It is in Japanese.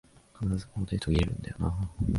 必ずここで途切れんだよなあ